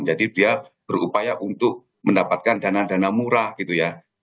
dia berupaya untuk mendapatkan dana dana murah gitu ya